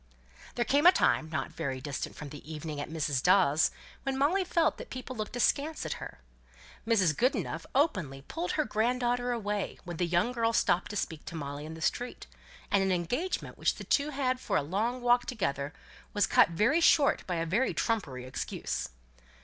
There came a time not very distant from the evening at Mrs. Dawes' when Molly felt that people looked askance at her. Mrs. Goodenough openly pulled her grand daughter away, when the young girl stopped to speak to Molly in the street, and an engagement which the two had made for a long walk together was cut very short by a very trumpery excuse.